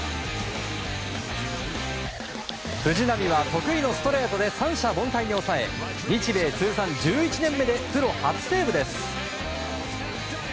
藤浪は得意のストレートで三者凡退に抑え日米通算１１年目でプロ初セーブです！